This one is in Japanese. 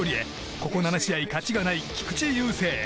ここ７試合勝ちがない菊池雄星。